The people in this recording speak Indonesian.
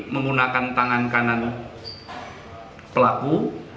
menggunakan tangan kanan pelaku